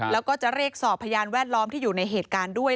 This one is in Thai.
แล้วก็จะเรียกสอบพยานแวดล้อมที่อยู่ในเหตุการณ์ด้วย